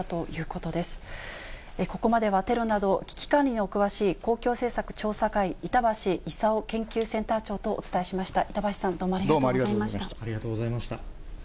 ここまでは、テロなど、危機管理にお詳しい公共政策研究センター長、板橋功研究センター長とお伝えしました。